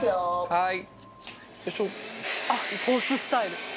はい。